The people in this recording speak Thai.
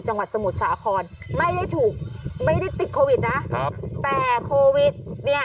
จังหวัดสมุทรสาครไม่ได้ถูกไม่ได้ติดนะครับแต่เนี้ย